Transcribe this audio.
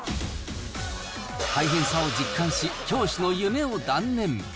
大変さを実感し、教師の夢を断念。